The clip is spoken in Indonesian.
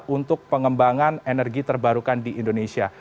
untuk pengembangan energi terbarukan di indonesia